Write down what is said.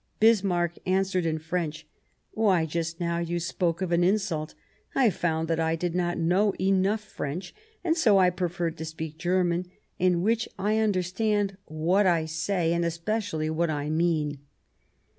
Bismarck answered in French :" Why, just now, you spoke of an insult. I found that I did not know enough French, and so I preferred to speak German, in which I understand what I say, and especially what I mean."